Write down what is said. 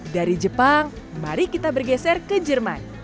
dari jepang mari kita bergeser ke jerman